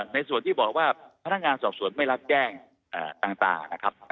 ในส่วนที่บอกว่าพนักงานสอบสวนไม่รับแจ้งต่างนะครับ